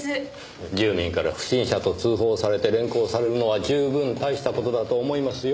住民から不審者と通報されて連行されるのは十分大した事だと思いますよ。